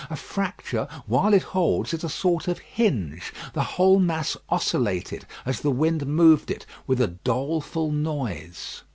A fracture, while it holds, is a sort of hinge. The whole mass oscillated, as the wind moved it, with a doleful noise.